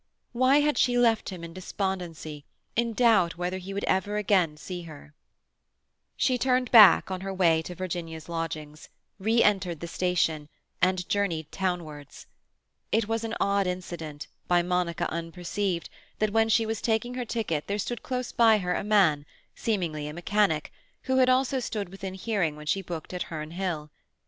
Why had she left him in despondency, in doubt whether he would ever again see her? She turned back on her way to Virginia's lodgings, re entered the station, and journeyed townwards. It was an odd incident, by Monica unperceived, that when she was taking her ticket there stood close by her a man, seemingly a mechanic, who had also stood within hearing when she booked at Herne Hill.